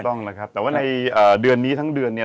ต้องนะครับแต่ว่าในเดือนนี้ทั้งเดือนเนี่ย